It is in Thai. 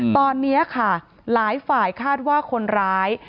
ตอนนี้ค่ะหลายฝ่ายคาดว่าคนร้าย